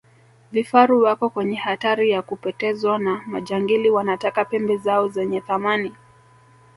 vifaru wako kwenye hatari ya kupotezwa na majangili wanataka pembe zao zenye thamani